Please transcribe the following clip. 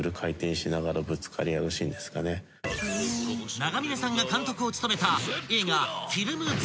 ［長峯さんが監督を務めた］